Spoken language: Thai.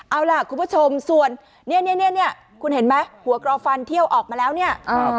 เอาล่ะคุณผู้ชมส่วนเนี่ยเนี่ยคุณเห็นไหมหัวกรอฟันเที่ยวออกมาแล้วเนี่ย